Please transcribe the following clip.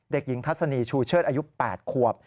เด็กหญิงทัศนีชูเชิดอายุ๘ขวบ